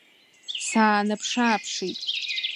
Саанаԥш-ааԥшит.